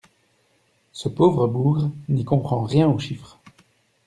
Ce pauvre bougre n'y comprend rien aux chiffres...